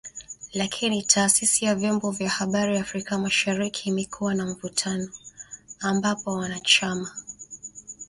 Lakini Taasisi ya Vyombo vya Habari Afrika Mashariki imekuwa na mvutano, ambapo wanachama wanashindana kila mmoja kuwa mwenyeji wake